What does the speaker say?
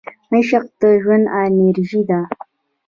عشق د ژوند انرژي ده.